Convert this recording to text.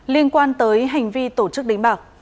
liên quan tới hành vi tổ chức đánh bạc